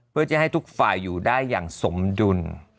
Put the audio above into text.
เพื่อจะให้ทุกฝ่ายอยู่ได้อย่างสมดุล